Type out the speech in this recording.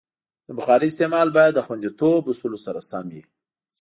د بخارۍ استعمال باید د خوندیتوب اصولو سره سم وي.